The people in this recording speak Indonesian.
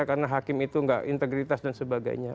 karena hakim itu nggak integritas dan sebagainya